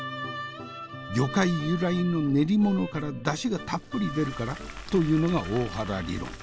魚介由来の練り物から出汁がたっぷり出るからというのが大原理論。